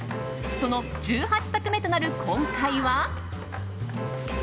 その第１８作目となる今回は。